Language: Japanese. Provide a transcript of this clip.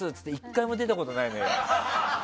１回も出たことないのよ。